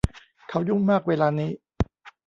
เขายุ่งมากเวลานี้